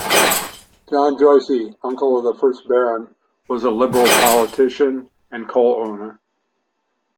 John Joicey, uncle of the first Baron, was a Liberal politician and coal owner.